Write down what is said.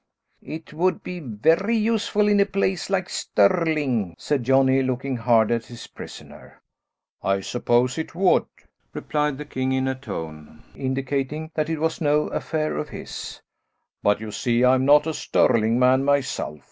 "It would be very useful in a place like Stirling," said Johnny, looking hard at his prisoner. "I suppose it would," replied the king, in a tone indicating that it was no affair of his, "but you see I'm not a Stirling man myself.